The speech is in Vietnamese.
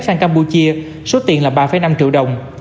sang campuchia số tiền là ba năm triệu đồng